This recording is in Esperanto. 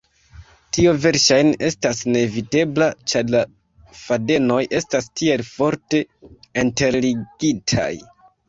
Tio verŝajne estas neevitebla, ĉar la fadenoj estas tiel forte interligitaj.